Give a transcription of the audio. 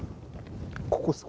ここです。